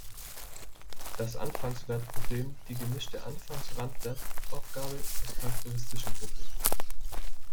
Das Anfangswertproblem, die gemischte Anfangs-Randwertaufgabe, das charakteristische Problem.